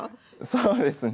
そうですね。